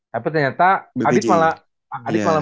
tapi ternyata adit malah